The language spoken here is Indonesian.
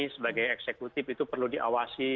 sebagai eksekutif itu perlu diawasi